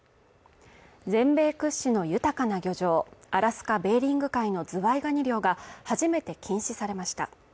全米屈指の豊かな漁場アラスカベーリング海のズワイガニ漁が初めて禁止されました。